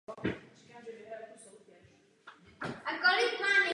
Stal se pořadatelem moravského klubu slovanských poslanců na Říšském sněmu.